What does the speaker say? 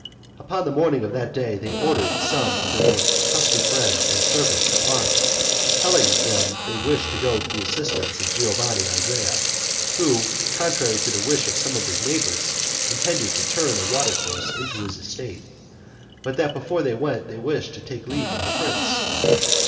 Upon the morning of that day they ordered some of their most trusty friends and servants to arm, telling them they wished to go to the assistance of Giovanandrea, who, contrary to the wish of some of his neighbors, intended to turn a watercourse into his estate; but that before they went they wished to take leave of the prince.